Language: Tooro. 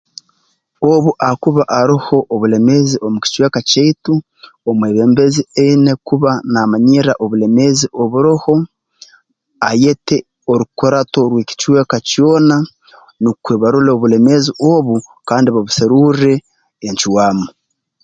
Obu akuba aroho obulemeezi omu kicweka kyaitu omwebembezi aine kuba naamanyirra obulemeezi oburoho ayete orukurato rw'ekicweka kyona nukwe barole obulemeezi obu kandi babuserurre encwamu